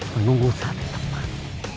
menunggu saat yang tepat